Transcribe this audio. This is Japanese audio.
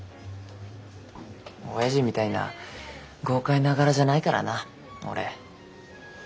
おやじみたいな豪快な柄じゃないからな俺。